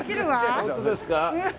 本当ですか？